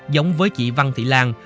giống với chị văn thị lan